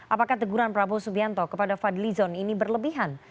apakah teguran prabowo subianto kepada fadlizon ini berlebihan